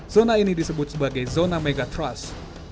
zona ini disebut sebagai zona megatrust